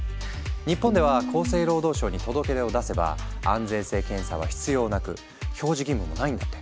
日本では厚生労働省に届け出を出せば安全性検査は必要なく表示義務もないんだって。